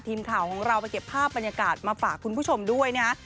ทีมข่าวของเราไปเก็บภาพบรรยากาศมาฝากคุณผู้ชมด้วยนะฮะ